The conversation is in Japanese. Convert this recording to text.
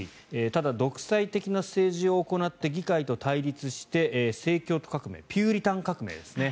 ただ、独裁的な政治を行って議会と対立して清教徒革命ピューリタン革命ですね。